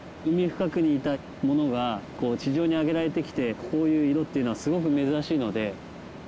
海深くにいたものがこう地上に上げられてきてこういう色っていうのはすごく珍しいので。